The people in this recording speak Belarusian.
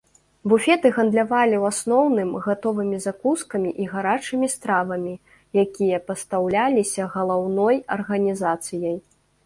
Буфеты гандлявалі ў асноўным гатовымі закускамі і гарачымі стравамі, якія пастаўляліся галаўной арганізацыяй.